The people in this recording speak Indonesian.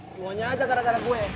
semuanya aja gara gara gue